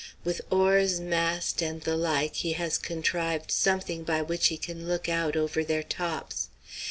With oars, mast, and the like, he has contrived something by which he can look out over their tops.